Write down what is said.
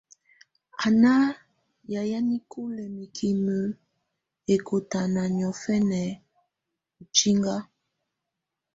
Ɔ na ya na nikulə nikimə ɛkɔtana niɔfɛna ɔ tsinga.